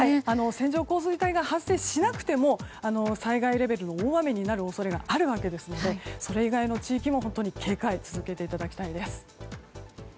線状降水帯が発生しなくても災害レベルの大雨になる恐れがあるわけですのでそれ以外の地域も本当に警戒を続けていただきたいです。